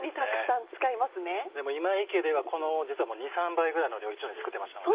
でも今井家では実はこの２３倍ぐらいの量一度に作ってましたので。